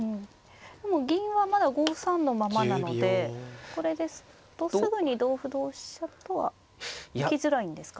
でも銀はまだ５三のままなのでこれですとすぐに同歩同飛車とは行きづらいんですか。